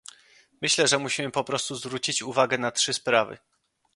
Myślę, że musimy po prostu zwrócić uwagę na trzy sprawy